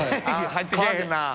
入ってけぇへんな。